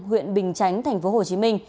huyện bình chánh tp hcm